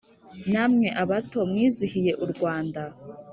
Namwe abato mwizihiye u Rwanda,